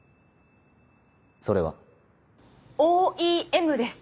それはＯＥＭです。